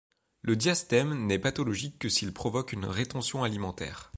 Le diastème n'est pathologique que s'il provoque une rétention alimentaire.